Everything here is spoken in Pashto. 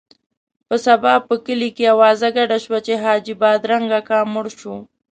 په سبا په کلي کې اوازه ګډه شوه چې حاجي بادرنګ اکا مړ شو.